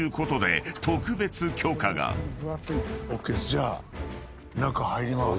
じゃあ中入ります。